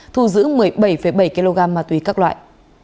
thu giữ một mươi bảy bảy kg ma túy các loại